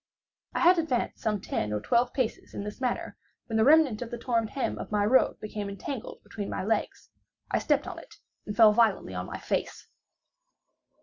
I had advanced some ten or twelve paces in this manner, when the remnant of the torn hem of my robe became entangled between my legs. I stepped on it, and fell violently on my face.